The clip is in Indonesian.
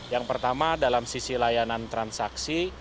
yang pertama dalam sisi layanan transaksi